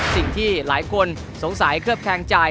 สิ่งที่หลายคนสงสัยเคลือบแคงใจ